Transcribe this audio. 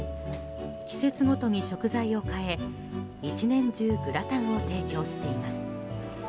季節ごとに食材を変え１年中グラタンを提供しています。